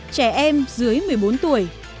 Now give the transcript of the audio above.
trẻ em dưới một mươi bốn tuổi